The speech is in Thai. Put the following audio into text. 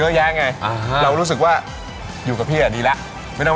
เพราะผมรู้สึกว่าคืออยากเซเว่นเยอะ